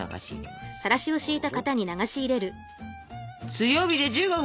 強火で１５分！